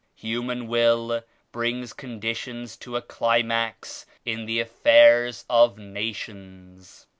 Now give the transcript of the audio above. Human will brings conditions to a climax in tlie affairs of nations.